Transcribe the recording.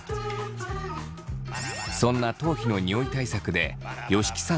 そんな頭皮のニオイ対策で吉木さん